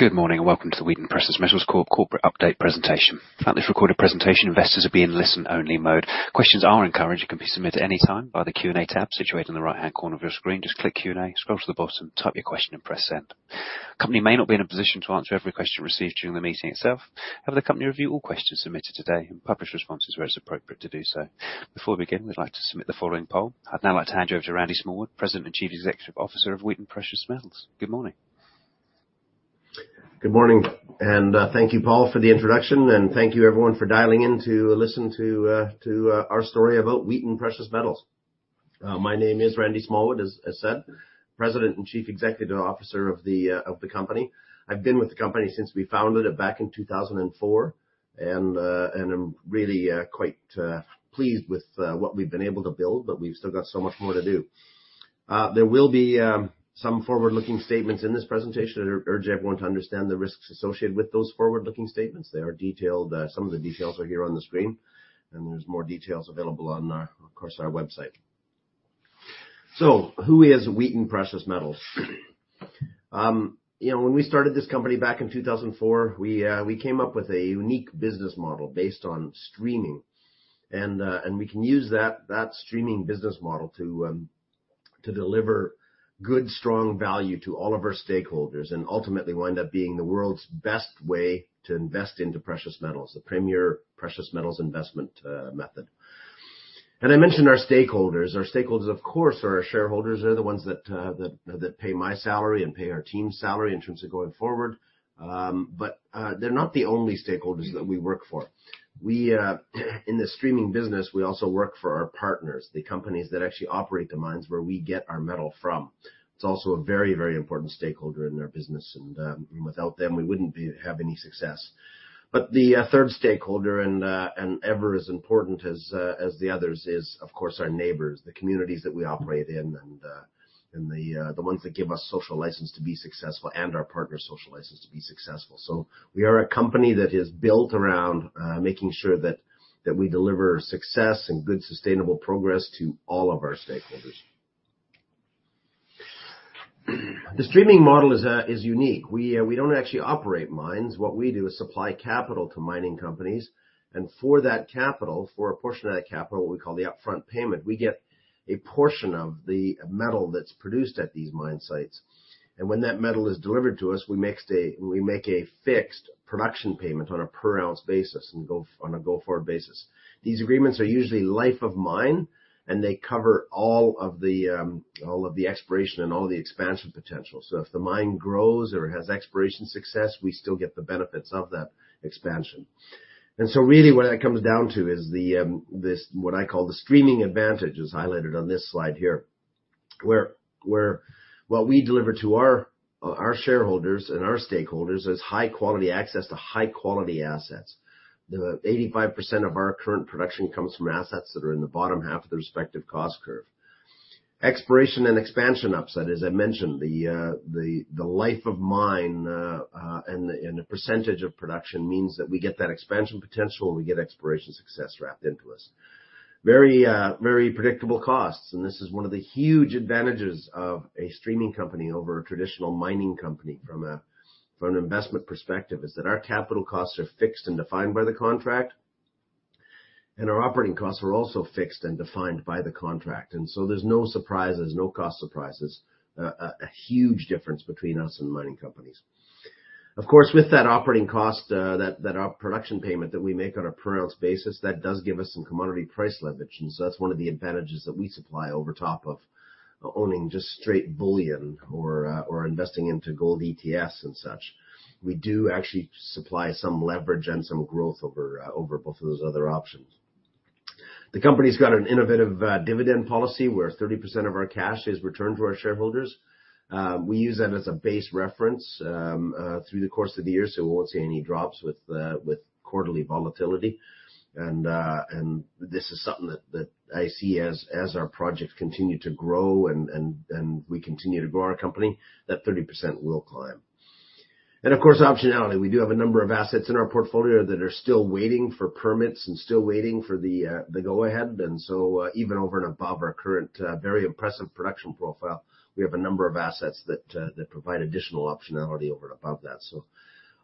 Good morning, and welcome to the Wheaton Precious Metals Corp corporate update presentation. At this recorded presentation, investors will be in listen only mode. Questions are encouraged and can be submitted any time by the Q&A tab situated on the right-hand corner of your screen. Just click Q&A, scroll to the bottom, type your question, and press Send. Company may not be in a position to answer every question received during the meeting itself. However, the company review all questions submitted today and publish responses where it's appropriate to do so. Before we begin, we'd like to submit the following poll. I'd now like to hand you over to Randy Smallwood, President and Chief Executive Officer of Wheaton Precious Metals. Good morning. Good morning, and thank you, Paul, for the introduction, and thank you everyone for dialing in to listen to our story about Wheaton Precious Metals. My name is Randy Smallwood, as said, President and Chief Executive Officer of the company. I've been with the company since we founded it back in 2004, and I'm really quite pleased with what we've been able to build, but we've still got so much more to do. There will be some forward-looking statements in this presentation. I'd urge everyone to understand the risks associated with those forward-looking statements. They are detailed. Some of the details are here on the screen, and there's more details available on our website, of course. Who is Wheaton Precious Metals? You know, when we started this company back in 2004, we came up with a unique business model based on streaming. We can use that streaming business model to deliver good, strong value to all of our stakeholders and ultimately wind up being the world's best way to invest into precious metals, the premier precious metals investment method. I mentioned our stakeholders. Our stakeholders, of course, are our shareholders. They're the ones that pay my salary and pay our team's salary in terms of going forward. They're not the only stakeholders that we work for. We in the streaming business also work for our partners, the companies that actually operate the mines where we get our metal from. It's also a very, very important stakeholder in our business. Without them, we wouldn't have any success. The third stakeholder, every bit as important as the others, is, of course, our neighbors, the communities that we operate in and the ones that give us and our partners social license to be successful. We are a company that is built around making sure that we deliver success and good sustainable progress to all of our stakeholders. The streaming model is unique. We don't actually operate mines. What we do is supply capital to mining companies, and for that capital, for a portion of that capital, what we call the upfront payment, we get a portion of the metal that's produced at these mine sites. When that metal is delivered to us, we make a fixed production payment on a per ounce basis and on a go forward basis. These agreements are usually life of mine, and they cover all of the exploration and all the expansion potential. If the mine grows or has exploration success, we still get the benefits of that expansion. Really what that comes down to is what I call the streaming advantage is highlighted on this slide here, where what we deliver to our shareholders and our stakeholders is high quality access to high quality assets. 85% of our current production comes from assets that are in the bottom half of their respective cost curve. Exploration and expansion upside, as I mentioned, the life of mine and the percentage of production means that we get that expansion potential, we get exploration success wrapped into us. Very predictable costs, and this is one of the huge advantages of a streaming company over a traditional mining company from an investment perspective, is that our capital costs are fixed and defined by the contract, and our operating costs are also fixed and defined by the contract. There's no surprises, no cost surprises, a huge difference between us and mining companies. Of course, with that operating cost, that production payment that we make on a per ounce basis, that does give us some commodity price leverage. That's one of the advantages that we supply over top of owning just straight bullion or investing into gold ETFs and such. We do actually supply some leverage and some growth over both of those other options. The company's got an innovative dividend policy where 30% of our cash is returned to our shareholders. We use that as a base reference through the course of the year, so we won't see any drops with quarterly volatility. This is something that I see as our projects continue to grow and we continue to grow our company, that 30% will climb. Of course, optionality. We do have a number of assets in our portfolio that are still waiting for permits and still waiting for the go-ahead. Even over and above our current very impressive production profile, we have a number of assets that that provide additional optionality over and above that.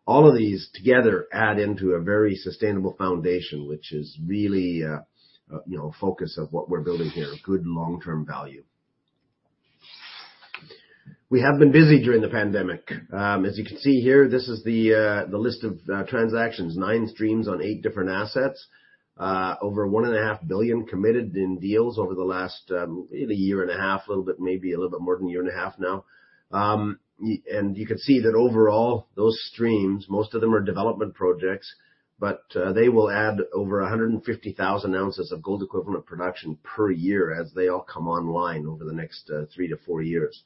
All of these together add into a very sustainable foundation, which is really a you know focus of what we're building here, good long-term value. We have been busy during the pandemic. As you can see here, this is the list of transactions, nine streams on eight different assets. Over $1.5 billion committed in deals over the last maybe a year and a half, a little bit, maybe a little bit more than a year and a half now. You can see that overall, those streams, most of them are development projects, but they will add over 150,000 ounces of gold equivalent production per year as they all come online over the next 3-4 years.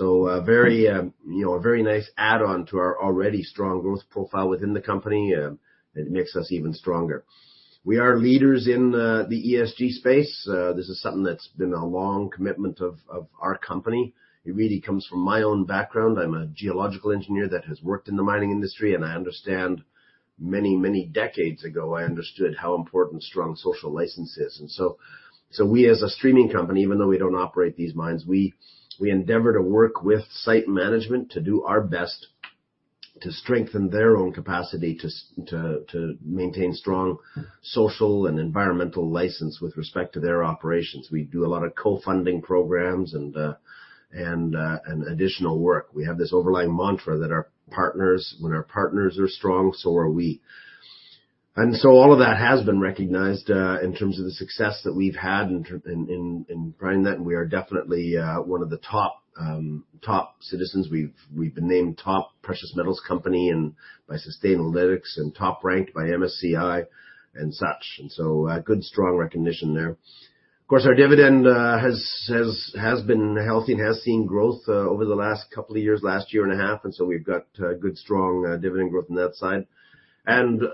A very, you know, a very nice add-on to our already strong growth profile within the company. It makes us even stronger. We are leaders in the ESG space. This is something that's been a long commitment of our company. It really comes from my own background. I'm a geological engineer that has worked in the mining industry, and many decades ago, I understood how important strong social license is. We as a streaming company, even though we don't operate these mines, we endeavor to work with site management to do our best to strengthen their own capacity to maintain strong social and environmental license with respect to their operations. We do a lot of co-funding programs and additional work. We have this overlying mantra that when our partners are strong, so are we. All of that has been recognized in terms of the success that we've had in trying that, and we are definitely one of the top citizens. We've been named top precious metals company by Sustainalytics and top ranked by MSCI and such, and so a good, strong recognition there. Of course, our dividend has been healthy and has seen growth over the last couple of years, last year and a half, and so we've got good, strong dividend growth on that side.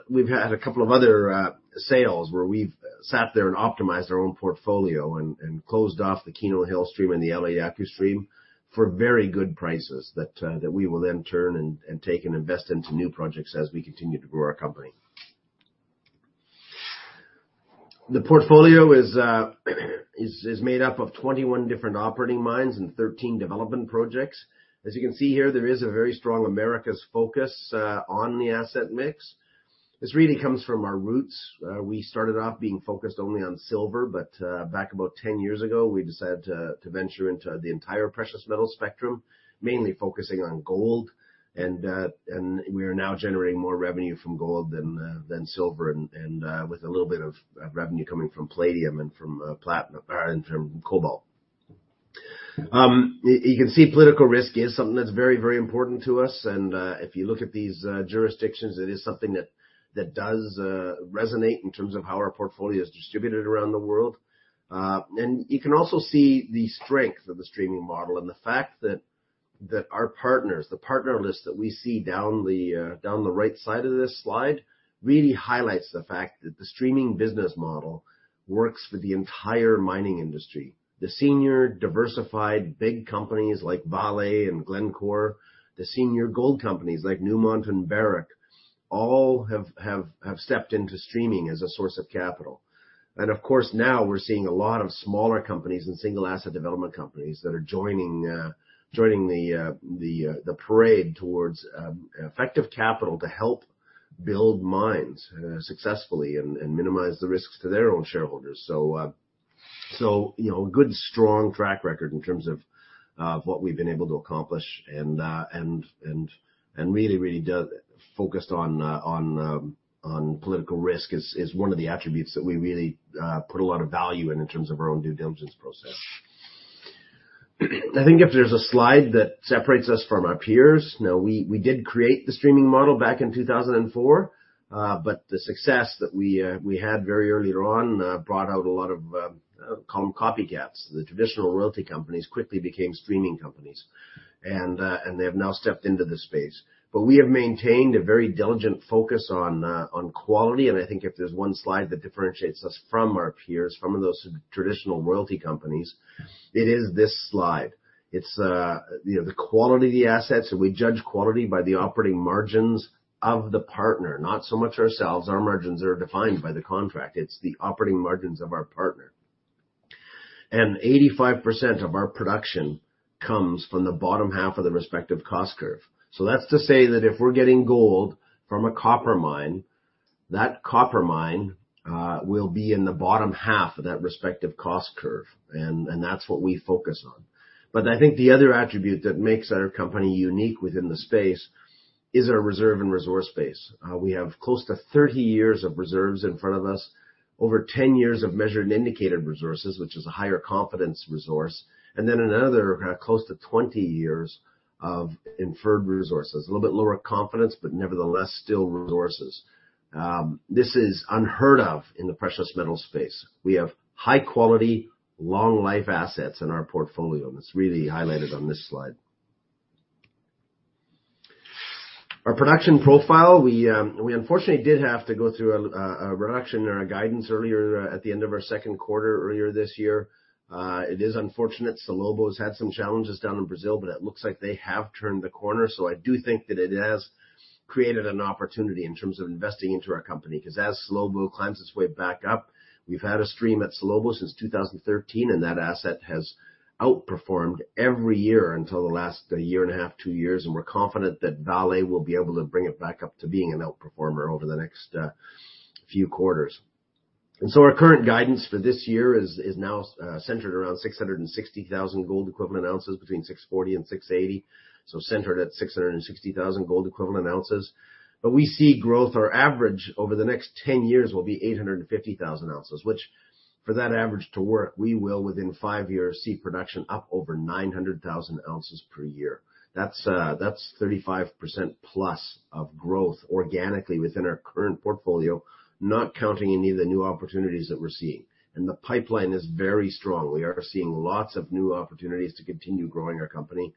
We've had a couple of other sales where we've sat there and optimized our own portfolio and closed off the Keno Hill stream and the Eliako stream for very good prices that we will then turn and take and invest into new projects as we continue to grow our company. The portfolio is made up of 21 different operating mines and 13 development projects. As you can see here, there is a very strong Americas focus on the asset mix. This really comes from our roots. We started off being focused only on silver, but back about 10 years ago, we decided to venture into the entire precious metal spectrum, mainly focusing on gold and we are now generating more revenue from gold than silver and with a little bit of revenue coming from palladium and from platinum and from cobalt. You can see political risk is something that's very, very important to us and if you look at these jurisdictions, it is something that does resonate in terms of how our portfolio is distributed around the world. You can also see the strength of the streaming model and the fact that our partners, the partner list that we see down the right side of this slide, really highlights the fact that the streaming business model works for the entire mining industry. The senior diversified big companies like Vale and Glencore, the senior gold companies like Newmont and Barrick, all have stepped into streaming as a source of capital. Of course, now we're seeing a lot of smaller companies and single asset development companies that are joining the parade towards effective capital to help build mines successfully and minimize the risks to their own shareholders. You know, a good, strong track record in terms of what we've been able to accomplish and really focused on political risk is one of the attributes that we really put a lot of value in terms of our own due diligence process. I think if there's a slide that separates us from our peers, you know, we did create the streaming model back in 2004. The success that we had very early on brought out a lot of copycats. The traditional royalty companies quickly became streaming companies, and they have now stepped into the space. We have maintained a very diligent focus on quality, and I think if there's one slide that differentiates us from our peers, from those traditional royalty companies, it is this slide. It's you know, the quality of the assets, and we judge quality by the operating margins of the partner, not so much ourselves. Our margins are defined by the contract. It's the operating margins of our partner. And 85% of our production comes from the bottom half of the respective cost curve. That's to say that if we're getting gold from a copper mine, that copper mine will be in the bottom half of that respective cost curve, and that's what we focus on. I think the other attribute that makes our company unique within the space is our reserve and resource base. We have close to 30 years of reserves in front of us, over 10 years of measured and indicated resources, which is a higher confidence resource, and then another close to 20 years of inferred resources. A little bit lower confidence, but nevertheless still resources. This is unheard of in the precious metal space. We have high quality, long life assets in our portfolio, and it's really highlighted on this slide. Our production profile, we unfortunately did have to go through a reduction in our guidance earlier at the end of our second quarter earlier this year. It is unfortunate. Salobo's had some challenges down in Brazil, but it looks like they have turned the corner. I do think that it has created an opportunity in terms of investing into our company 'cause as Salobo climbs its way back up, we've had a stream at Salobo since 2013, and that asset has outperformed every year until the last year and a half, two years, and we're confident that Vale will be able to bring it back up to being an outperformer over the next few quarters. Our current guidance for this year is now centered around 660,000 gold equivalent ounces between 640,000 and 680,000, so centered at 660,000 gold equivalent ounces. We see growth. Our average over the next 10 years will be 850,000 ounces, which for that average to work, we will within 5 years see production up over 900,000 ounces per year. That's 35%+ of growth organically within our current portfolio, not counting any of the new opportunities that we're seeing. The pipeline is very strong. We are seeing lots of new opportunities to continue growing our company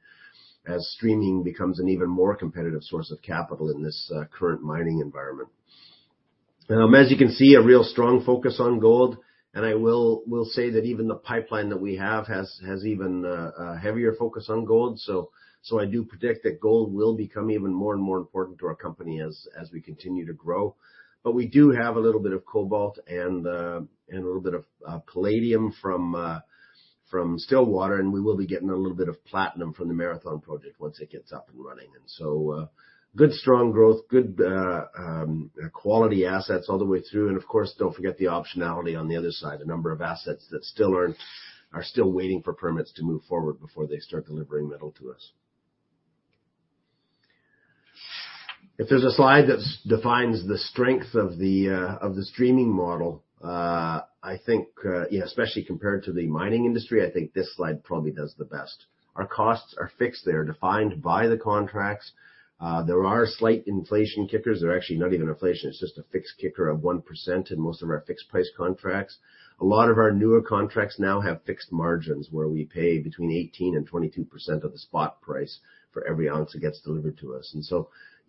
as streaming becomes an even more competitive source of capital in this current mining environment. As you can see, a real strong focus on gold, and I will say that even the pipeline that we have has even a heavier focus on gold. I do predict that gold will become even more and more important to our company as we continue to grow. But we do have a little bit of cobalt and a little bit of palladium from Stillwater, and we will be getting a little bit of platinum from the Marathon project once it gets up and running. Good, strong growth, good quality assets all the way through. Of course, don't forget the optionality on the other side, the number of assets that still are waiting for permits to move forward before they start delivering metal to us. If there's a slide that defines the strength of the streaming model, I think especially compared to the mining industry, I think this slide probably does the best. Our costs are fixed. They're defined by the contracts. There are slight inflation kickers. They're actually not even inflation, it's just a fixed kicker of 1% in most of our fixed price contracts. A lot of our newer contracts now have fixed margins, where we pay between 18%-22% of the spot price for every ounce that gets delivered to us.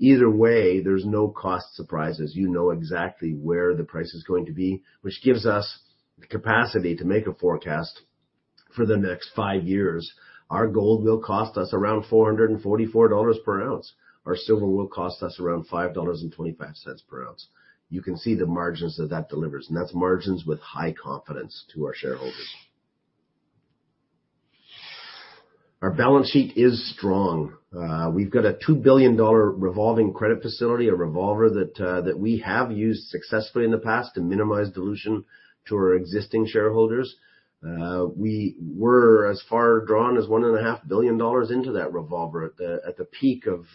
Either way, there's no cost surprises. You know exactly where the price is going to be, which gives us the capacity to make a forecast for the next five years. Our gold will cost us around $444 per ounce. Our silver will cost us around $5.25 per ounce. You can see the margins that that delivers, and that's margins with high confidence to our shareholders. Our balance sheet is strong. We've got a $2 billion revolving credit facility, a revolver that we have used successfully in the past to minimize dilution to our existing shareholders. We were as far drawn as $1.5 billion into that revolver at the peak of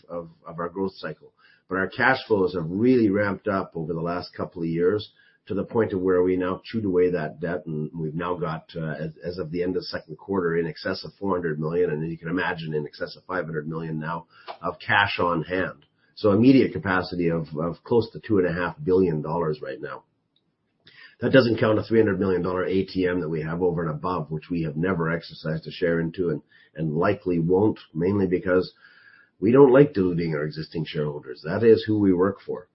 our growth cycle. Our cash flows have really ramped up over the last couple of years to the point where we now chipped away that debt, and we've now got, as of the end of second quarter, in excess of $400 million, and you can imagine in excess of $500 million now of cash on hand. Immediate capacity of close to $2.5 billion right now. That doesn't count a $300 million ATM that we have over and above, which we have never exercised a share into and likely won't, mainly because we don't like diluting our existing shareholders. That is who we work for.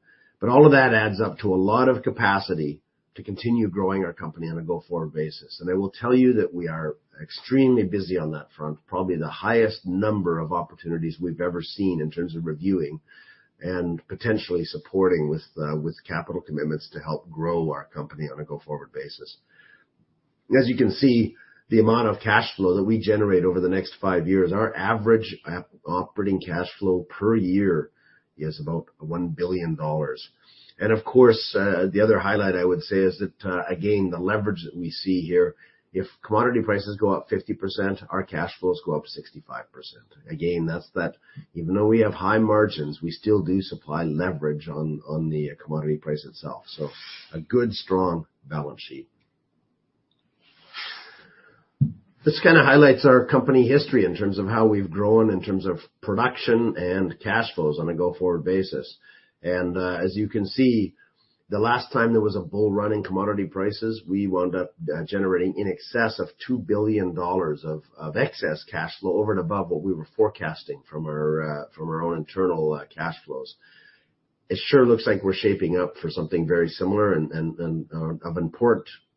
All of that adds up to a lot of capacity to continue growing our company on a go-forward basis. I will tell you that we are extremely busy on that front. Probably the highest number of opportunities we've ever seen in terms of reviewing and potentially supporting with capital commitments to help grow our company on a go-forward basis. As you can see, the amount of cash flow that we generate over the next five years, our average operating cash flow per year is about $1 billion. Of course, the other highlight I would say is that, again, the leverage that we see here, if commodity prices go up 50%, our cash flows go up 65%. Again, that's even though we have high margins, we still do supply leverage on the commodity price itself. So a good, strong balance sheet. This kinda highlights our company history in terms of how we've grown in terms of production and cash flows on a go-forward basis. As you can see, the last time there was a bull run in commodity prices, we wound up generating in excess of $2 billion of excess cash flow over and above what we were forecasting from our own internal cash flows. It sure looks like we're shaping up for something very similar.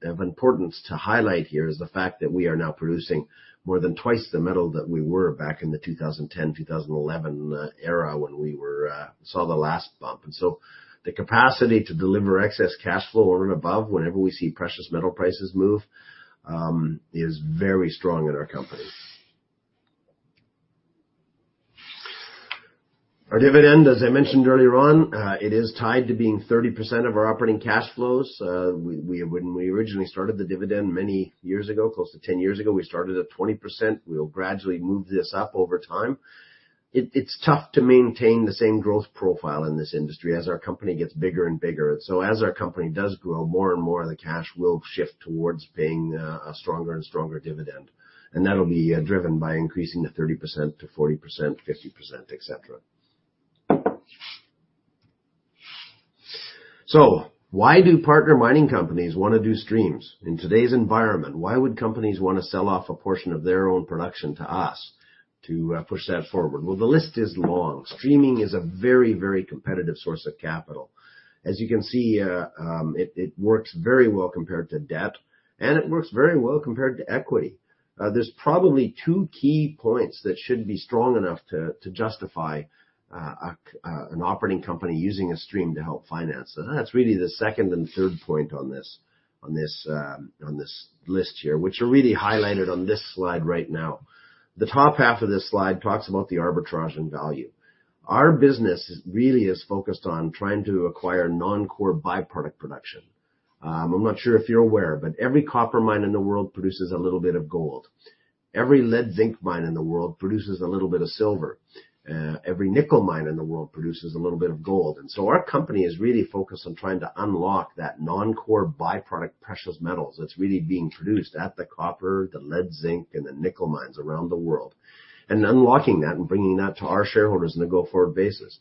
Of importance to highlight here is the fact that we are now producing more than twice the metal that we were back in the 2010, 2011 era when we saw the last bump. The capacity to deliver excess cash flow over and above whenever we see precious metal prices move is very strong in our company. Our dividend, as I mentioned earlier on, it is tied to being 30% of our operating cash flows. When we originally started the dividend many years ago, close to 10 years ago, we started at 20%. We'll gradually move this up over time. It's tough to maintain the same growth profile in this industry as our company gets bigger and bigger. As our company does grow, more and more of the cash will shift towards paying a stronger and stronger dividend. That'll be driven by increasing the 30% to 40%, 50%, et cetera. Why do partner mining companies wanna do streams? In today's environment, why would companies wanna sell off a portion of their own production to us to push that forward? Well, the list is long. Streaming is a very, very competitive source of capital. As you can see, it works very well compared to debt, and it works very well compared to equity. There's probably two key points that should be strong enough to justify an operating company using a stream to help finance. That's really the second and third point on this list here, which are really highlighted on this slide right now. The top half of this slide talks about the arbitrage and value. Our business really is focused on trying to acquire non-core byproduct production. I'm not sure if you're aware, but every copper mine in the world produces a little bit of gold. Every lead zinc mine in the world produces a little bit of silver. Every nickel mine in the world produces a little bit of gold. Our company is really focused on trying to unlock that non-core byproduct precious metals that's really being produced at the copper, the lead zinc, and the nickel mines around the world. Unlocking that and bringing that to our shareholders on a go-forward basis.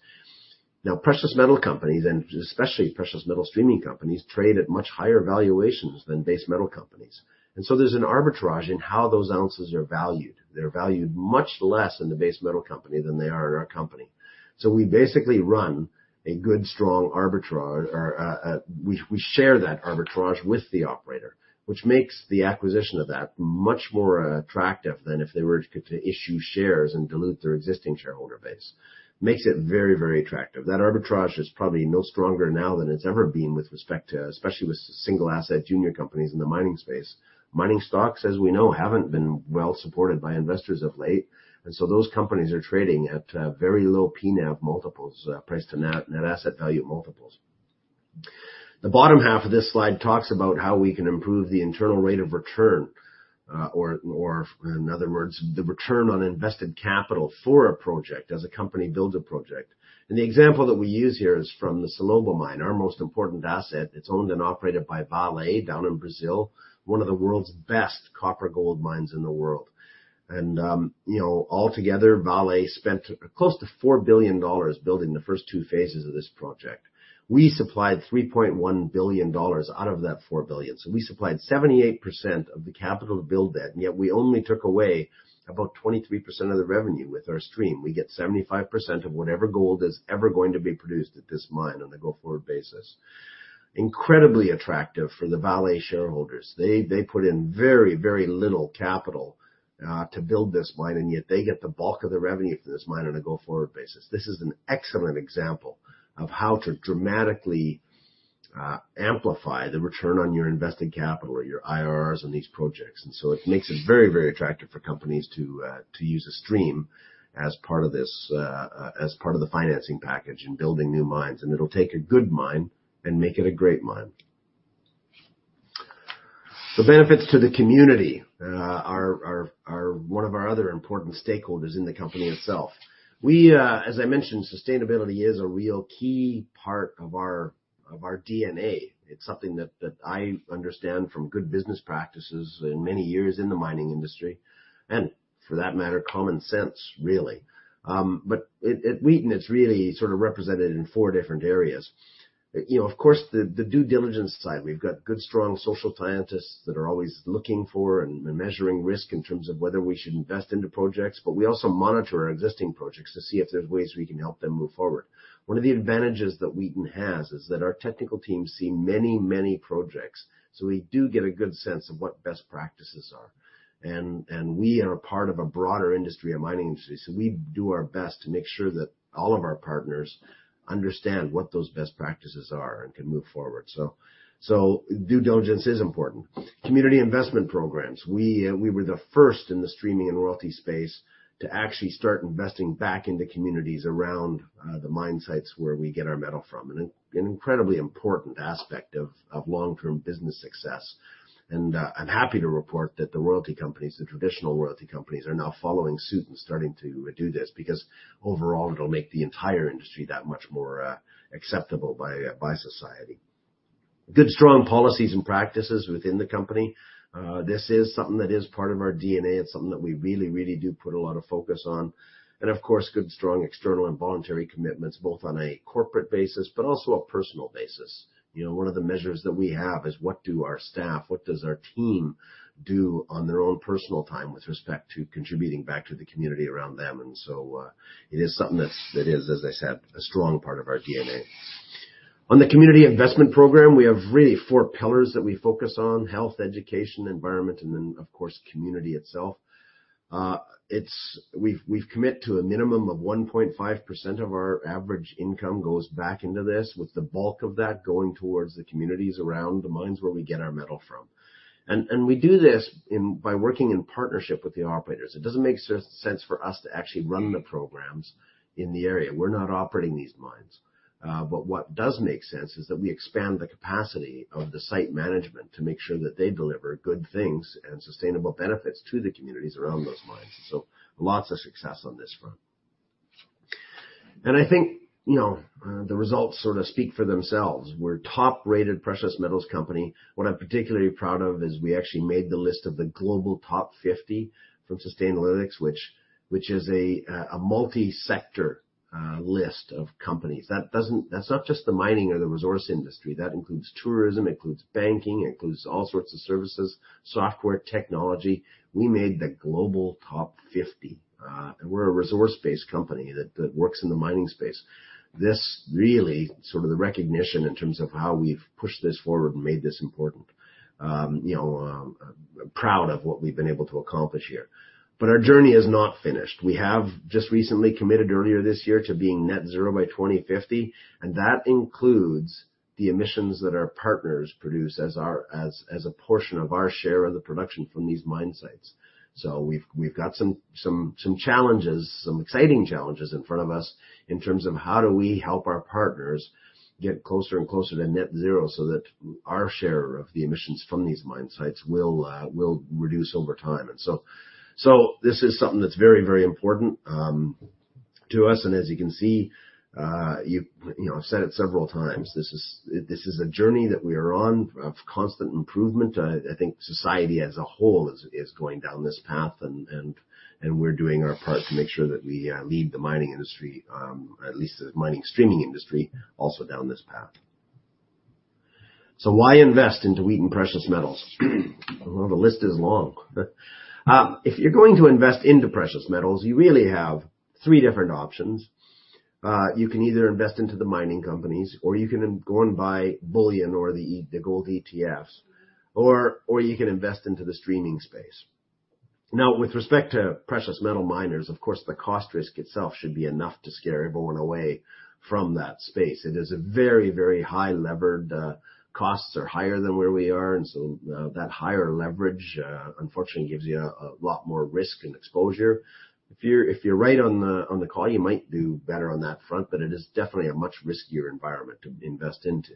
Now, precious metal companies, and especially precious metal streaming companies, trade at much higher valuations than base metal companies. There's an arbitrage in how those ounces are valued. They're valued much less in the base metal company than they are in our company. We basically run a good, strong arbitrage. We share that arbitrage with the operator, which makes the acquisition of that much more attractive than if they were going to issue shares and dilute their existing shareholder base. Makes it very, very attractive. That arbitrage is probably no stronger now than it's ever been with respect to, especially with single asset junior companies in the mining space. Mining stocks, as we know, haven't been well supported by investors of late, and so those companies are trading at very low P/NAV multiples, price to net asset value multiples. The bottom half of this slide talks about how we can improve the internal rate of return, or in other words, the return on invested capital for a project as a company builds a project. The example that we use here is from the Salobo mine, our most important asset. It's owned and operated by Vale down in Brazil, one of the world's best copper gold mines in the world. You know, altogether, Vale spent close to $4 billion building the first two phases of this project. We supplied $3.1 billion out of that $4 billion. We supplied 78% of the capital to build that, and yet we only took away about 23% of the revenue with our stream. We get 75% of whatever gold is ever going to be produced at this mine on a go-forward basis. Incredibly attractive for the Vale shareholders. They put in very, very little capital to build this mine, and yet they get the bulk of the revenue for this mine on a go-forward basis. This is an excellent example of how to dramatically amplify the return on your invested capital or your IRRs on these projects. It makes it very, very attractive for companies to use a stream as part of the financing package in building new mines. It'll take a good mine and make it a great mine. The benefits to the community are one of our other important stakeholders in the company itself. As I mentioned, sustainability is a real key part of our DNA. It's something that I understand from good business practices and many years in the mining industry, and for that matter, common sense, really. But at Wheaton, it's really sort of represented in four different areas. Of course, the due diligence side, we've got good, strong social scientists that are always looking for and measuring risk in terms of whether we should invest into projects. We also monitor our existing projects to see if there's ways we can help them move forward. One of the advantages that Wheaton has is that our technical teams see many, many projects, so we do get a good sense of what best practices are. We are a part of a broader industry, a mining industry, so we do our best to make sure that all of our partners understand what those best practices are and can move forward. Due diligence is important. Community investment programs. We were the first in the streaming and royalty space to actually start investing back into communities around the mine sites where we get our metal from. An incredibly important aspect of long-term business success. I'm happy to report that the royalty companies, the traditional royalty companies, are now following suit and starting to do this because overall, it'll make the entire industry that much more acceptable by society. Good, strong policies and practices within the company. This is something that is part of our DNA. It's something that we really, really do put a lot of focus on. Of course, good, strong external and voluntary commitments, both on a corporate basis but also a personal basis. You know, one of the measures that we have is what does our team do on their own personal time with respect to contributing back to the community around them. It is something that is, as I said, a strong part of our DNA. On the community investment program, we have really four pillars that we focus on health, education, environment, and then of course, community itself. We commit to a minimum of 1.5% of our average income goes back into this, with the bulk of that going towards the communities around the mines where we get our metal from. We do this in by working in partnership with the operators. It doesn't make sense for us to actually run the programs in the area. We're not operating these mines. What does make sense is that we expand the capacity of the site management to make sure that they deliver good things and sustainable benefits to the communities around those mines. Lots of success on this front. I think, you know, the results sort of speak for themselves. We're top-rated precious metals company. What I'm particularly proud of is we actually made the list of the Global Top 50 from Sustainalytics, which is a multi-sector list of companies. That's not just the mining or the resource industry. That includes tourism, includes banking, includes all sorts of services, software, technology. We made the Global Top 50, and we're a resource-based company that works in the mining space. This really sort of the recognition in terms of how we've pushed this forward and made this important. You know, proud of what we've been able to accomplish here. Our journey is not finished. We have just recently committed earlier this year to being net zero by 2050, and that includes the emissions that our partners produce as a portion of our share of the production from these mine sites. We've got some exciting challenges in front of us in terms of how do we help our partners get closer and closer to net zero so that our share of the emissions from these mine sites will reduce over time. This is something that's very important to us. As you can see, you know, I've said it several times, this is a journey that we are on of constant improvement. I think society as a whole is going down this path and we're doing our part to make sure that we lead the mining industry, or at least the mining streaming industry also down this path. Why invest into Wheaton Precious Metals? Well, the list is long. If you're going to invest into precious metals, you really have three different options. You can either invest into the mining companies, or you can go and buy bullion or the gold ETFs, or you can invest into the streaming space. Now, with respect to precious metal miners, of course, the cost risk itself should be enough to scare everyone away from that space. It is a very, very high levered, costs are higher than where we are, and so that higher leverage unfortunately gives you a lot more risk and exposure. If you're right on the call, you might do better on that front, but it is definitely a much riskier environment to invest into.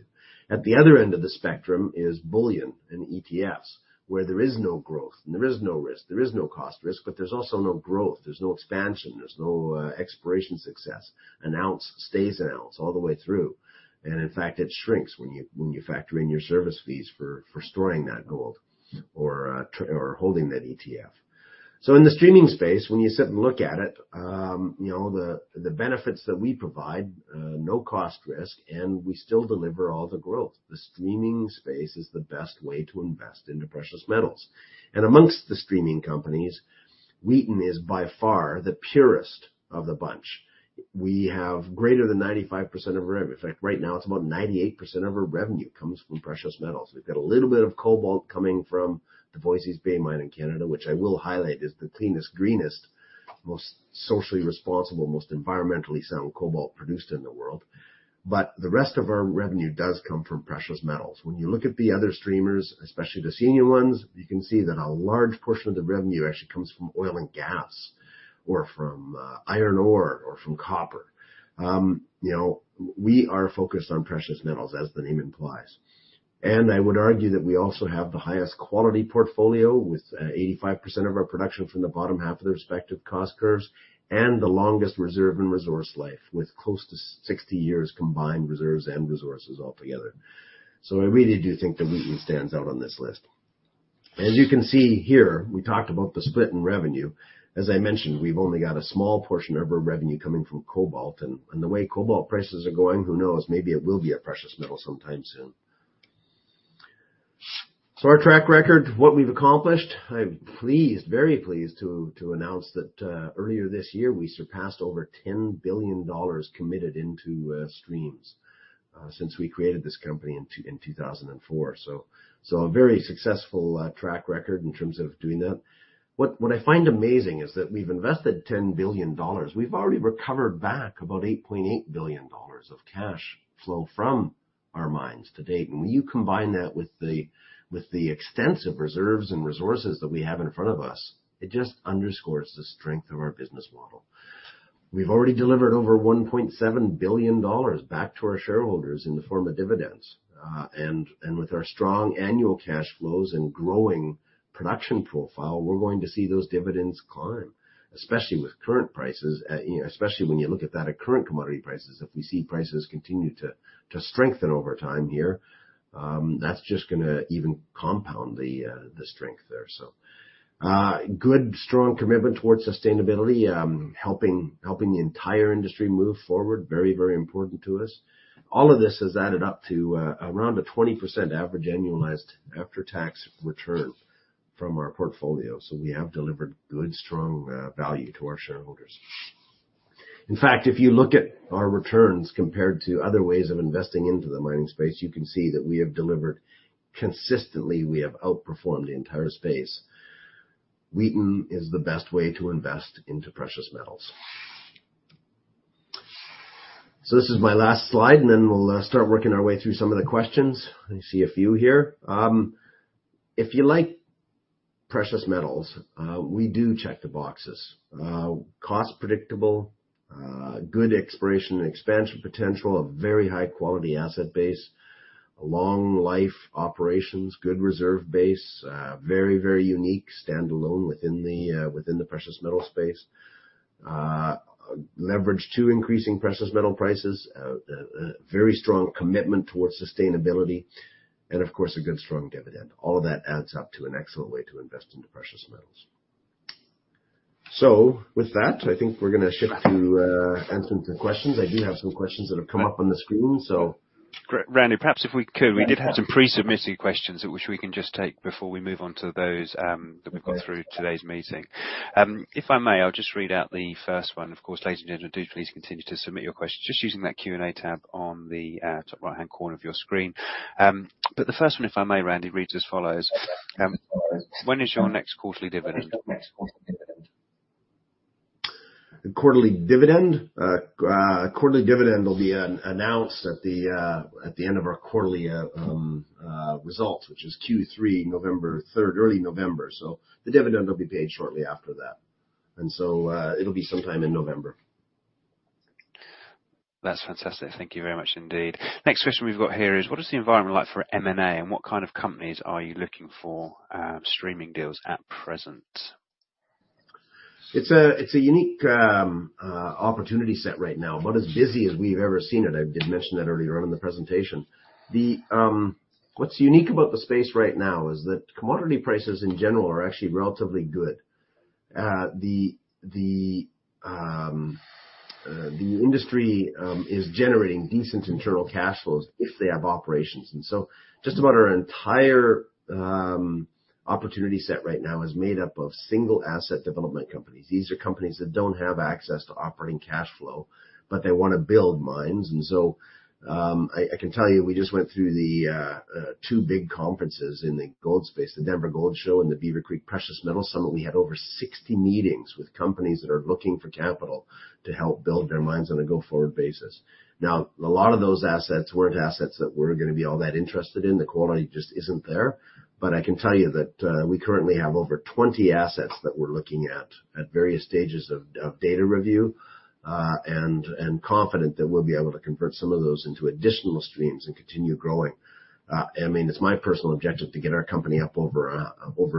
At the other end of the spectrum is bullion and ETFs, where there is no growth and there is no risk. There is no cost risk, but there's also no growth, there's no expansion, there's no exploration success. An ounce stays an ounce all the way through. In fact, it shrinks when you factor in your service fees for storing that gold or holding that ETF. In the streaming space, when you sit and look at it, you know, the benefits that we provide, no cost risk, and we still deliver all the growth. The streaming space is the best way to invest into precious metals. Amongst the streaming companies, Wheaton is by far the purest of the bunch. We have greater than 95%. In fact, right now it's about 98% of our revenue comes from precious metals. We've got a little bit of cobalt coming from the Voisey's Bay mine in Canada, which I will highlight is the cleanest, greenest, most socially responsible, most environmentally sound cobalt produced in the world. The rest of our revenue does come from precious metals. When you look at the other streamers, especially the senior ones, you can see that a large portion of the revenue actually comes from oil and gas, or from iron ore or from copper. You know, we are focused on precious metals, as the name implies. I would argue that we also have the highest quality portfolio with 85% of our production from the bottom half of their respective cost curves and the longest reserve and resource life, with close to 60 years combined reserves and resources altogether. I really do think that Wheaton stands out on this list. As you can see here, we talked about the split in revenue. As I mentioned, we've only got a small portion of our revenue coming from cobalt, and the way cobalt prices are going, who knows? Maybe it will be a precious metal sometime soon. Our track record, what we've accomplished, I'm pleased, very pleased to announce that, earlier this year, we surpassed over $10 billion committed into streams since we created this company in 2004. A very successful track record in terms of doing that. What I find amazing is that we've invested $10 billion. We've already recovered back about $8.8 billion of cash flow from our mines to date. When you combine that with the extensive reserves and resources that we have in front of us, it just underscores the strength of our business model. We've already delivered over $1.7 billion back to our shareholders in the form of dividends. With our strong annual cash flows and growing production profile, we're going to see those dividends climb, especially with current prices, you know, especially when you look at that at current commodity prices. If we see prices continue to strengthen over time here, that's just gonna even compound the strength there. Good, strong commitment towards sustainability, helping the entire industry move forward, very important to us. All of this has added up to around a 20% average annualized after-tax return from our portfolio. We have delivered good, strong value to our shareholders. In fact, if you look at our returns compared to other ways of investing into the mining space, you can see that we have delivered consistently. We have outperformed the entire space. Wheaton is the best way to invest into precious metals. This is my last slide, and then we'll start working our way through some of the questions. I see a few here. If you like precious metals, we do check the boxes. Cost predictable, good exploration and expansion potential, a very high quality asset base, long life operations, good reserve base. Very, very unique standalone within the precious metal space. Leverage to increasing precious metal prices, a very strong commitment towards sustainability and of course, a good strong dividend. All of that adds up to an excellent way to invest into precious metals. With that, I think we're gonna shift to answering some questions. I do have some questions that have come up on the screen, so. Great. Randy, perhaps if we could, we did have some pre-submitted questions which we can just take before we move on to those, that we've got through today's meeting. If I may, I'll just read out the first one. Of course, ladies and gentlemen, do please continue to submit your questions just using that Q&A tab on the top right-hand corner of your screen. The first one, if I may, Randy, reads as follows. When is your next quarterly dividend? The quarterly dividend will be announced at the end of our quarterly results, which is Q3, November 3rd, early November. The dividend will be paid shortly after that. It'll be sometime in November. That's fantastic. Thank you very much indeed. Next question we've got here is what is the environment like for M&A, and what kind of companies are you looking for, streaming deals at present? It's a unique opportunity set right now, about as busy as we've ever seen it. I did mention that earlier on in the presentation. What's unique about the space right now is that commodity prices in general are actually relatively good. The industry is generating decent internal cash flows if they have operations. Just about our entire opportunity set right now is made up of single asset development companies. These are companies that don't have access to operating cash flow, but they wanna build mines. I can tell you, we just went through the two big conferences in the gold space, the Denver Gold Forum and the Precious Metals Summit Beaver Creek. We had over 60 meetings with companies that are looking for capital to help build their mines on a go-forward basis. Now, a lot of those assets weren't assets that we're gonna be all that interested in. The quality just isn't there. I can tell you that, we currently have over 20 assets that we're looking at various stages of data review, and confident that we'll be able to convert some of those into additional streams and continue growing. I mean, it's my personal objective to get our company up over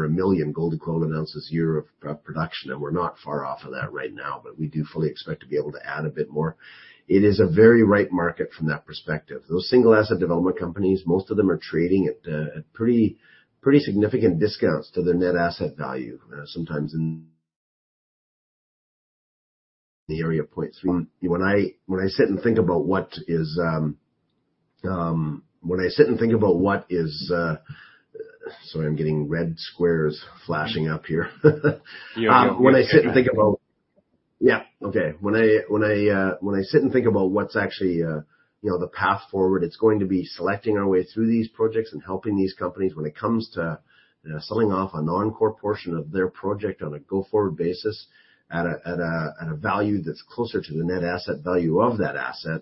a million gold equivalent ounces a year of production, and we're not far off of that right now, but we do fully expect to be able to add a bit more. It is a very ripe market from that perspective. Those single asset development companies, most of them are trading at pretty significant discounts to their net asset value, sometimes in the area of 0.3. When I sit and think about what is. Sorry, I'm getting red squares flashing up here. You're okay. When I sit and think about what's actually, you know, the path forward, it's going to be selecting our way through these projects and helping these companies when it comes to selling off a non-core portion of their project on a go-forward basis at a value that's closer to the net asset value of that asset,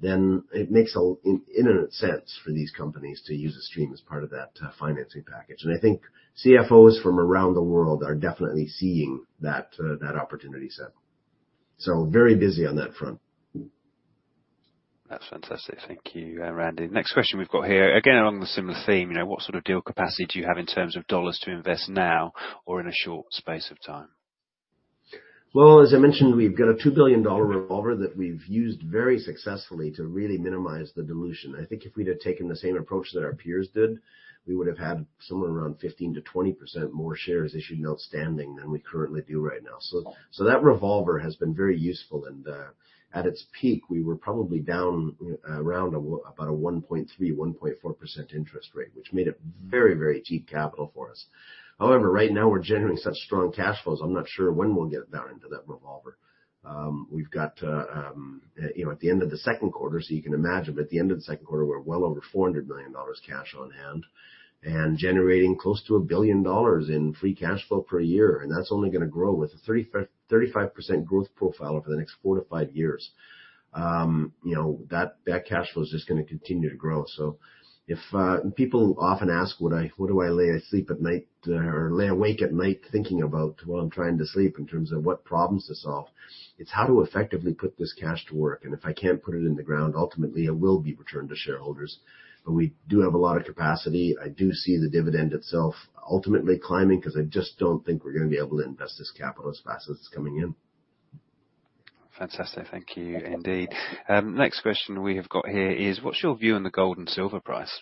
then it makes innate sense for these companies to use a stream as part of that financing package. I think CFOs from around the world are definitely seeing that opportunity set. Very busy on that front. That's fantastic. Thank you, Randy. Next question we've got here, again, along the similar theme, you know, what sort of deal capacity do you have in terms of dollars to invest now or in a short space of time? Well, as I mentioned, we've got a $2 billion revolver that we've used very successfully to really minimize the dilution. I think if we'd have taken the same approach that our peers did, we would have had somewhere around 15%-20% more shares issued and outstanding than we currently do right now. That revolver has been very useful. At its peak, we were probably down around about a 1.3%-1.4% interest rate, which made it very, very cheap capital for us. However, right now, we're generating such strong cash flows, I'm not sure when we'll get down into that revolver. We've got, you know, at the end of the second quarter, so you can imagine, we're well over $400 million cash on hand and generating close to $1 billion in free cash flow per year. That's only gonna grow with a 35% growth profile over the next 4-5 years. You know, that cash flow is just gonna continue to grow. People often ask what do I lay asleep at night or lay awake at night thinking about while I'm trying to sleep in terms of what problems to solve. It's how to effectively put this cash to work, and if I can't put it in the ground, ultimately it will be returned to shareholders. We do have a lot of capacity. I do see the dividend itself ultimately climbing because I just don't think we're gonna be able to invest this capital as fast as it's coming in. Fantastic. Thank you indeed. Next question we have got here is, what's your view on the gold and silver price?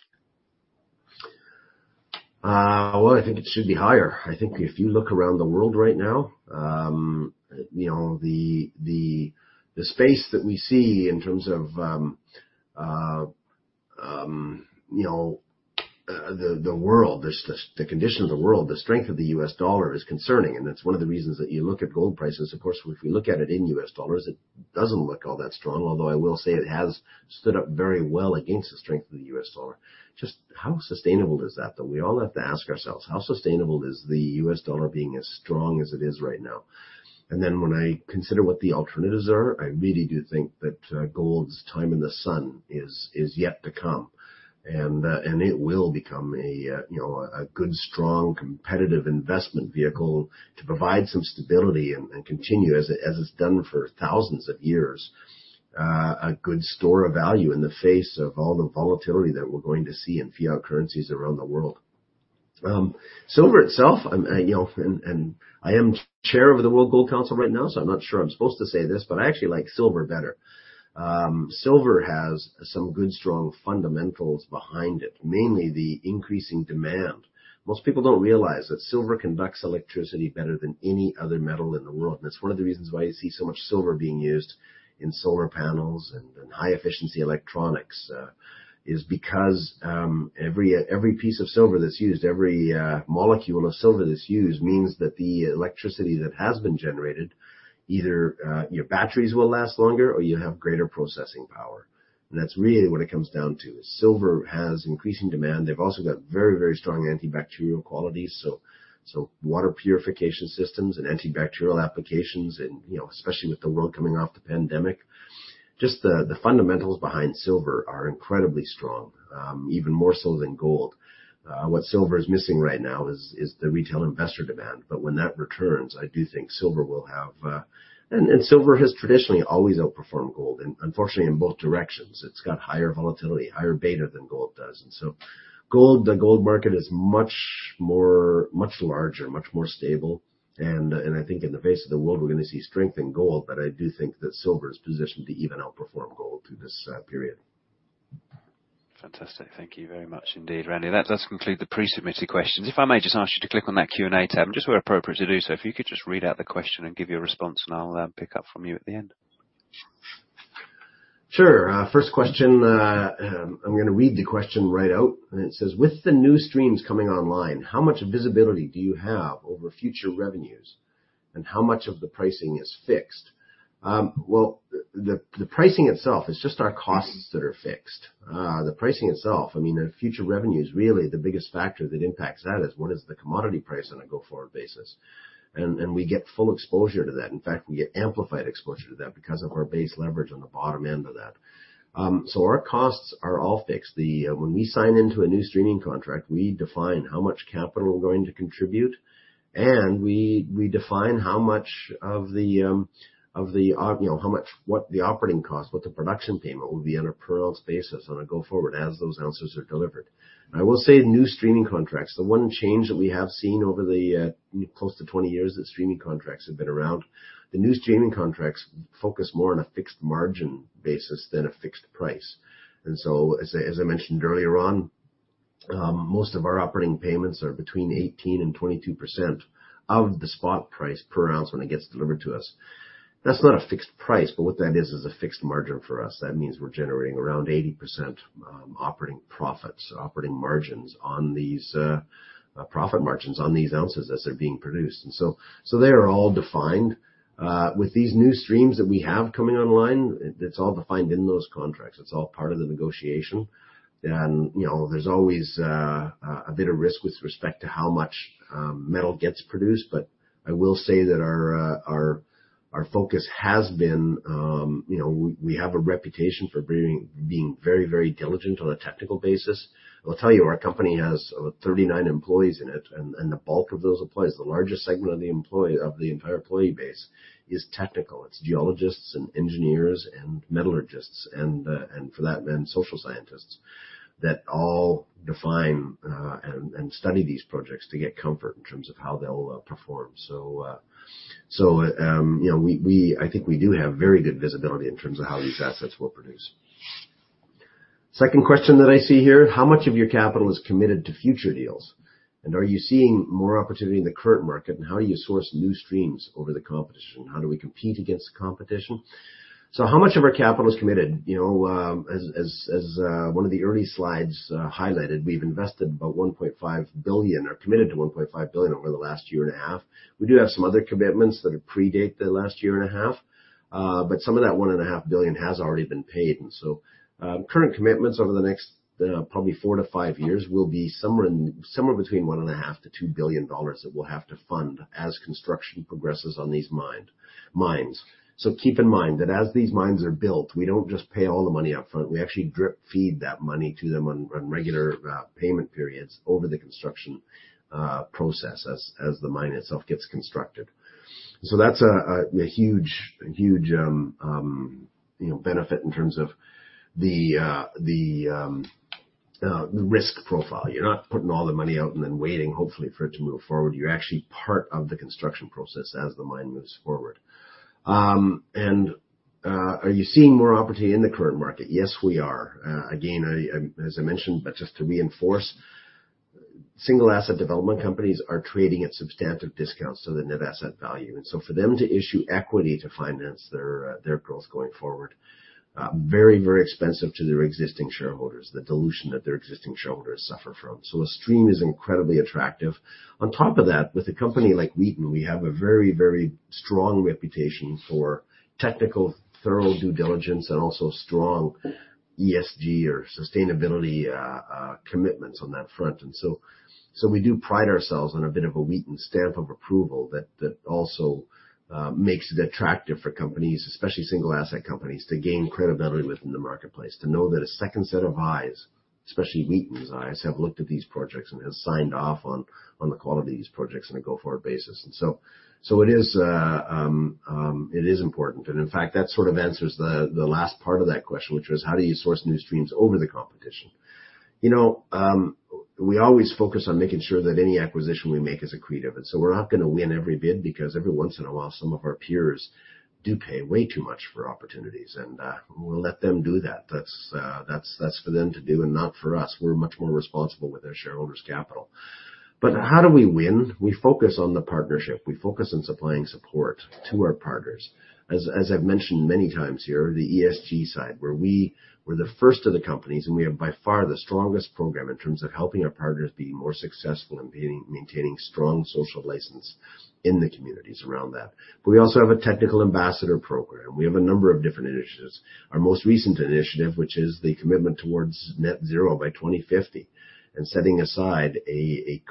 Well, I think it should be higher. I think if you look around the world right now, you know, the state that we see in terms of, you know, the world, the condition of the world, the strength of the U.S. dollar is concerning, and that's one of the reasons that you look at gold prices. Of course, if we look at it in U.S. dollars, it doesn't look all that strong. Although I will say it has stood up very well against the strength of the U.S. dollar. Just how sustainable is that, though? We all have to ask ourselves, how sustainable is the U.S. dollar being as strong as it is right now? When I consider what the alternatives are, I really do think that gold's time in the sun is yet to come. It will become, you know, a good, strong, competitive investment vehicle to provide some stability and continue as it's done for thousands of years. A good store of value in the face of all the volatility that we're going to see in fiat currencies around the world. Silver itself, you know, I am chair of the World Gold Council right now, so I'm not sure I'm supposed to say this, but I actually like silver better. Silver has some good, strong fundamentals behind it, mainly the increasing demand. Most people don't realize that silver conducts electricity better than any other metal in the world. It's one of the reasons why you see so much silver being used in solar panels and high efficiency electronics is because every piece of silver that's used, every molecule of silver that's used means that the electricity that has been generated, either your batteries will last longer or you have greater processing power. That's really what it comes down to, is silver has increasing demand. They've also got very strong antibacterial qualities, so water purification systems and antibacterial applications and, you know, especially with the world coming off the pandemic, just the fundamentals behind silver are incredibly strong, even more so than gold. What silver is missing right now is the retail investor demand. When that returns, I do think silver will have... Silver has traditionally always outperformed gold, and unfortunately in both directions. It's got higher volatility, higher beta than gold does. I think in the face of the world, we're gonna see strength in gold, but I do think that silver is positioned to even outperform gold through this period. Fantastic. Thank you very much indeed, Randy. That does conclude the pre-submitted questions. If I may just ask you to click on that Q&A tab, and just where appropriate to do so, if you could just read out the question and give your response, and I'll pick up from you at the end. Sure. First question, I'm gonna read the question right out, and it says, "With the new streams coming online, how much visibility do you have over future revenues, and how much of the pricing is fixed?" Well, the pricing itself is just our costs that are fixed. The pricing itself, I mean, our future revenue is really the biggest factor that impacts that is what is the commodity price on a go-forward basis. We get full exposure to that. In fact, we get amplified exposure to that because of our base leverage on the bottom end of that. Our costs are all fixed. When we sign into a new streaming contract, we define how much capital we're going to contribute, and we define how much of the op... You know, how much, what the operating cost, what the production payment will be on a per ounce basis on a going forward as those ounces are delivered. I will say new streaming contracts, the one change that we have seen over the close to 20 years that streaming contracts have been around, the new streaming contracts focus more on a fixed margin basis than a fixed price. As I mentioned earlier on, most of our operating payments are between 18%-22% of the spot price per ounce when it gets delivered to us. That's not a fixed price, but what that is is a fixed margin for us. That means we're generating around 80% operating profits or operating margins on these profit margins on these ounces as they're being produced. They are all defined. With these new streams that we have coming online, it's all defined in those contracts. It's all part of the negotiation. You know, there's always a bit of risk with respect to how much metal gets produced. But I will say that our focus has been, you know, we have a reputation for being very diligent on a technical basis. I'll tell you, our company has 39 employees in it, and the bulk of those employees, the largest segment of the entire employee base is technical. It's geologists and engineers and metallurgists and then social scientists that all define and study these projects to get comfort in terms of how they'll perform. You know, we. I think we do have very good visibility in terms of how these assets will produce. Second question that I see here, "How much of your capital is committed to future deals? And are you seeing more opportunity in the current market, and how do you source new streams over the competition? How do we compete against the competition?" How much of our capital is committed? You know, as one of the early slides highlighted, we've invested about $1.5 billion or committed to $1.5 billion over the last year and a half. We do have some other commitments that predate the last year and a half, but some of that $1.5 billion has already been paid. Current commitments over the next, probably 4-5 years will be somewhere between $1.5 billion-$2 billion that we'll have to fund as construction progresses on these mines. Keep in mind that as these mines are built, we don't just pay all the money up front. We actually drip feed that money to them on regular payment periods over the construction process as the mine itself gets constructed. That's a huge, you know, benefit in terms of the risk profile. You're not putting all the money out and then waiting, hopefully, for it to move forward. You're actually part of the construction process as the mine moves forward. Are you seeing more opportunity in the current market? Yes, we are. Again, I as I mentioned, but just to reinforce, single asset development companies are trading at substantive discounts to the net asset value. For them to issue equity to finance their growth going forward, very, very expensive to their existing shareholders, the dilution that their existing shareholders suffer from. A stream is incredibly attractive. On top of that, with a company like Wheaton, we have a very, very strong reputation for technical thorough due diligence and also strong ESG or sustainability commitments on that front. We do pride ourselves on a bit of a Wheaton stamp of approval that also makes it attractive for companies, especially single asset companies, to gain credibility within the marketplace. To know that a second set of eyes, especially Wheaton's eyes, have looked at these projects and has signed off on the quality of these projects on a go-forward basis. It is important. In fact, that sort of answers the last part of that question, which was how do you source new streams over the competition? You know, we always focus on making sure that any acquisition we make is accretive. We're not gonna win every bid because every once in a while, some of our peers do pay way too much for opportunities and, we'll let them do that. That's for them to do and not for us. We're much more responsible with our shareholders' capital. How do we win? We focus on the partnership. We focus on supplying support to our partners. As I've mentioned many times here, the ESG side, where we were the first of the companies, and we have by far the strongest program in terms of helping our partners be more successful in being, maintaining strong social license in the communities around that. We also have a technical ambassador program. We have a number of different initiatives. Our most recent initiative, which is the commitment towards net zero by 2050 and setting aside a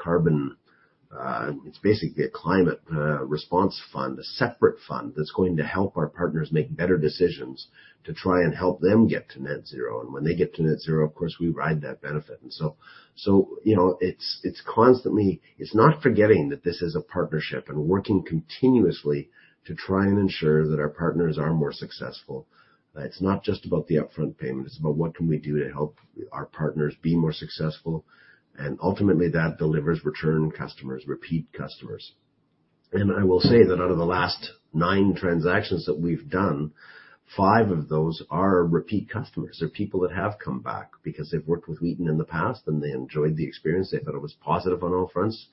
climate response fund, a separate fund that's going to help our partners make better decisions to try and help them get to net zero. When they get to net zero, of course, we ride that benefit. You know, it's constantly. It's about not forgetting that this is a partnership and working continuously to try and ensure that our partners are more successful. It's not just about the upfront payment, it's about what we can do to help our partners be more successful, and ultimately, that delivers return customers, repeat customers. I will say that out of the last 9 transactions that we've done, 5 of those are repeat customers. They're people that have come back because they've worked with Wheaton in the past, and they enjoyed the experience. They thought it was positive on all fronts.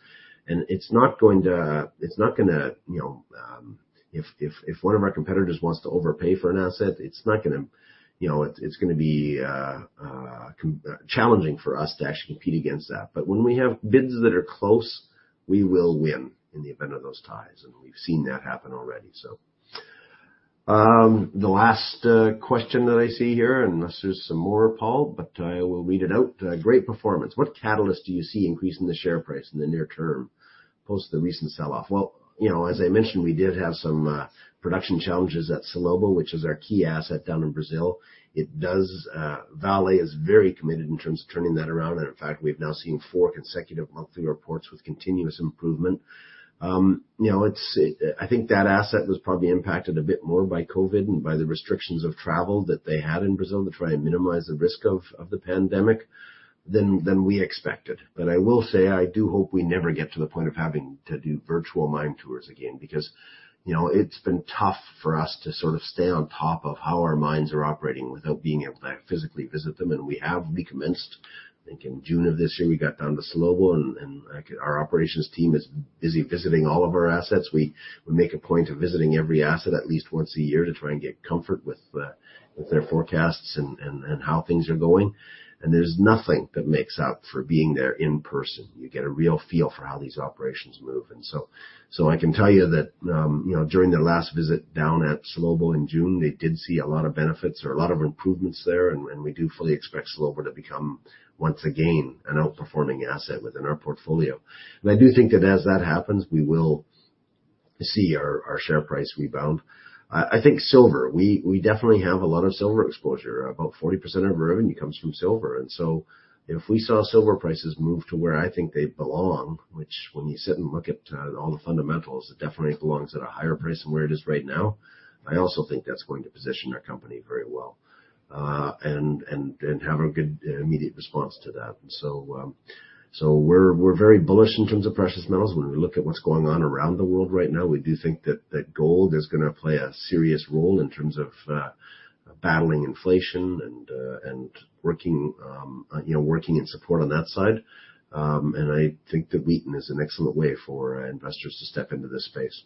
It's not gonna, you know, if one of our competitors wants to overpay for an asset, it's not gonna, you know. It's gonna be challenging for us to actually compete against that. When we have bids that are close, we will win in the event of those ties, and we've seen that happen already so. The last question that I see here, unless there's some more, Paul. I will read it out. Great performance. What catalyst do you see increasing the share price in the near term post the recent sell-off? Well, you know, as I mentioned, we did have some production challenges at Salobo, which is our key asset down in Brazil. Vale is very committed in terms of turning that around. In fact, we've now seen four consecutive monthly reports with continuous improvement. You know, it's it. I think that asset was probably impacted a bit more by COVID and by the restrictions of travel that they had in Brazil to try and minimize the risk of the pandemic than we expected. But I will say, I do hope we never get to the point of having to do virtual mine tours again because, you know, it's been tough for us to sort of stay on top of how our mines are operating without being able to physically visit them. We have recommenced. I think in June of this year, we got down to Salobo, and our operations team is busy visiting all of our assets. We make a point of visiting every asset at least once a year to try and get comfort with their forecasts and how things are going. There's nothing that makes up for being there in person. You get a real feel for how these operations move. I can tell you that during their last visit down at Salobo in June, they did see a lot of benefits or a lot of improvements there. We do fully expect Salobo to become once again an outperforming asset within our portfolio. I do think that as that happens, we will see our share price rebound. I think silver, we definitely have a lot of silver exposure. About 40% of our revenue comes from silver. If we saw silver prices move to where I think they belong, which when you sit and look at all the fundamentals, it definitely belongs at a higher price than where it is right now. I also think that's going to position our company very well, and have a good immediate response to that. We're very bullish in terms of precious metals. When we look at what's going on around the world right now, we do think that gold is gonna play a serious role in terms of battling inflation and working, you know, working in support on that side. I think that Wheaton is an excellent way for investors to step into this space.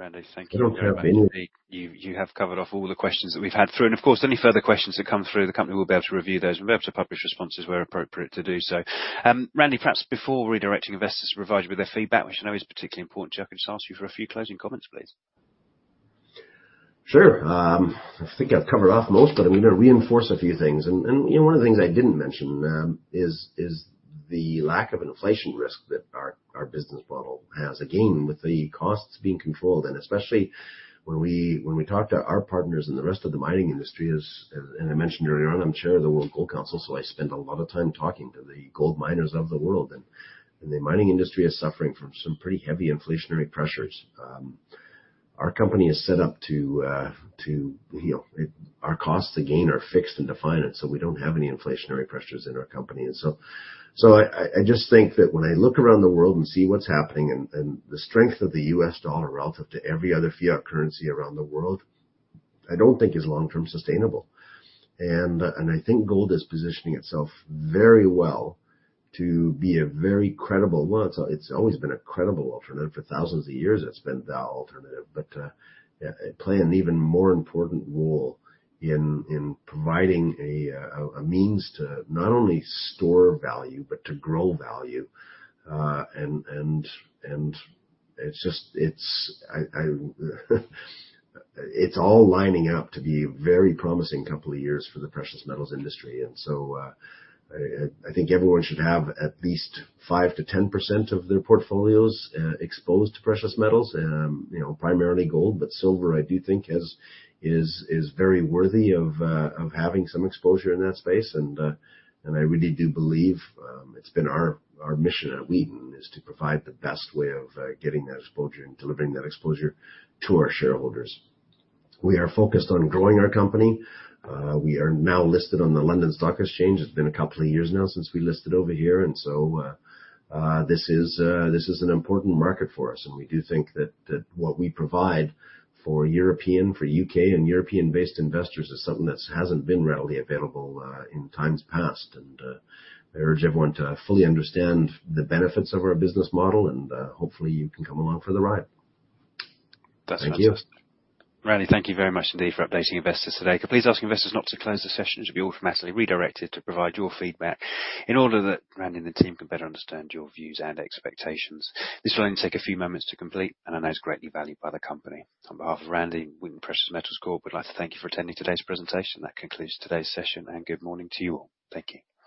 Randy, thank you very much indeed. I don't have any. You have covered off all the questions that we've had through. Of course, any further questions that come through the company will be able to review those. We'll be able to publish responses where appropriate to do so. Randy, perhaps before redirecting investors to provide you with their feedback, which I know is particularly important to you, can I just ask you for a few closing comments, please? Sure. I think I've covered off most, but I'm gonna reinforce a few things. You know, one of the things I didn't mention is the lack of inflation risk that our business model has. Again, with the costs being controlled, and especially when we talk to our partners in the rest of the mining industry. I mentioned earlier on, I'm chair of the World Gold Council, so I spend a lot of time talking to the gold miners of the world. The mining industry is suffering from some pretty heavy inflationary pressures. Our company is set up to you know. Our costs again are fixed and defined, and so we don't have any inflationary pressures in our company. I just think that when I look around the world and see what's happening and the strength of the US dollar relative to every other fiat currency around the world, I don't think is long-term sustainable. I think gold is positioning itself very well to be a very credible. Well, it's always been a credible alternative. For thousands of years it's been the alternative, but play an even more important role in providing a means to not only store value but to grow value. It's just. It's all lining up to be a very promising couple of years for the precious metals industry. I think everyone should have at least 5%-10% of their portfolios exposed to precious metals. You know, primarily gold, but silver I do think is very worthy of having some exposure in that space. I really do believe it's been our mission at Wheaton is to provide the best way of getting that exposure and delivering that exposure to our shareholders. We are focused on growing our company. We are now listed on the London Stock Exchange. It's been a couple of years now since we listed over here, this is an important market for us. We do think that what we provide for European, for UK and European-based investors is something that hasn't been readily available in times past. I urge everyone to fully understand the benefits of our business model and hopefully you can come along for the ride. That's fantastic. Thank you. Randy, thank you very much indeed for updating investors today. Could I please ask investors not to close the session? You should be automatically redirected to provide your feedback in order that Randy and the team can better understand your views and expectations. This will only take a few moments to complete and I know is greatly valued by the company. On behalf of Randy, Wheaton Precious Metals Corp, we'd like to thank you for attending today's presentation. That concludes today's session and good morning to you all. Thank you.